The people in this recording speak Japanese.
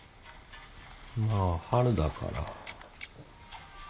まあ春だから。